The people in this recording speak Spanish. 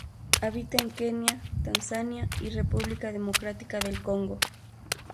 Habita en Kenia, Tanzania y República Democrática del Congo.